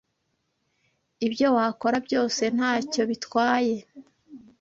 Ibyo wakora byose ntacyo bitwaye